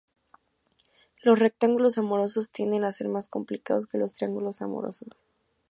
Los rectángulos amorosos tienden a ser más complicados que los triángulos amorosos.